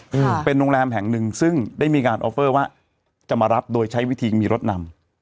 อืมเป็นโรงแรมแห่งหนึ่งซึ่งได้มีการออฟเฟอร์ว่าจะมารับโดยใช้วิธีมีรถนำ